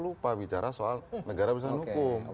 lupa bicara soal negara berdasarkan hukum